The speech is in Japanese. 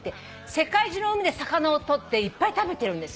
世界中の海で魚をとっていっぱい食べてるんです。